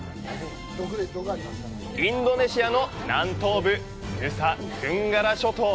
インドネシアの南東部、ヌサトゥンガラ諸島。